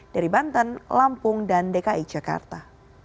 dari banten lampung dan dki jakarta